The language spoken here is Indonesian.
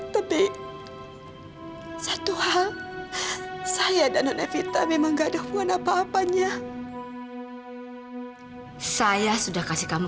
tapi satu hal saya dan non evita memang gak ada hubungan apa apanya saya sudah kasih kamu